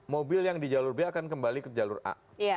mobil yang di jalur b akan kembali ke jalur a